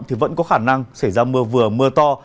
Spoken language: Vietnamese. thì vẫn có khả năng xảy ra mưa vừa mưa to